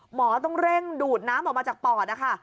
หมอต้องเร่งดูดน้ำออกมาจากปอดนะคะ